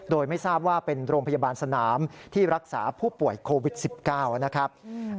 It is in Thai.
โดยไม่ทราบว่าเป็นโรงพยาบาลสนามที่รักษาผู้ป่วยโควิด๑๙นะครับ